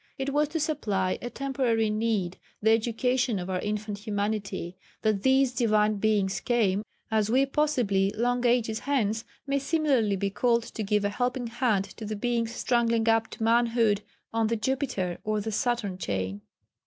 It was to supply a temporary need the education of our infant humanity that these divine Beings came as we possibly, long ages hence, may similarly be called to give a helping hand to the beings struggling up to manhood on the Jupiter or the Saturn chain.